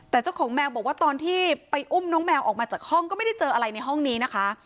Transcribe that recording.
แต่เจ้าของแมวบอกว่าตอนที่ไปอุ้มน้องแมวออกมาจากห้องก็ไม่ได้เจออะไรในห้องนี้นะคะ